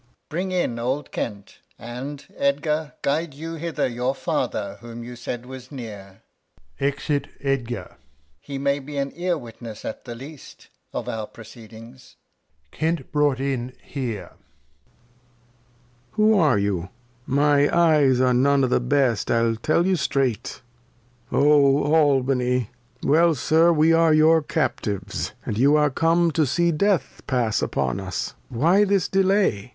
Alh. Bring in old Kent; and, Edgar, guide you hither Your Father, whom you said was near, [Exit Edgar. He may be an Ear Witness as the least Of our Proceedings. [Kent hf ought in here. Lear. Who are you ? My Eyes are none o'th Best, I'll teU you streight ; Oh Albany \ Well, Sir, we are your Captives, And you are come to see Death pass upon us. Why this Delay.